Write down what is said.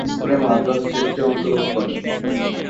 এ সফরেই মাদ্রাজ টেস্টে অংশগ্রহণ করেন তিনি।